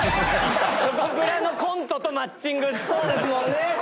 チョコプラのコントとマッチングしそうですもんね。